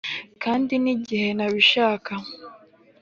kandi nigihe ntabishaka.